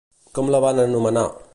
Com la van anomenar?